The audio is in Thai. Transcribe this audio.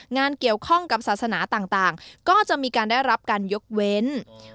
งานเกี่ยวข้องกับศาสนาต่างก็จะมีการได้รับการยกเว้น